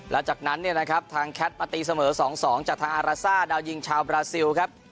แล้วจากนั้นเนี่ยนะครับทางแคทมาตีเสมอ๒๒จากทางอาราซ่าดาวยิงชาวบราซิลครับ